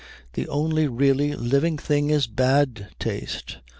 The only really living thing is bad taste.